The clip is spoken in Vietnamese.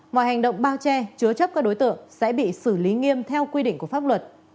mọi hành động bao che chứa chấp các đối tượng sẽ bị xử lý nghiêm theo quy định của pháp luật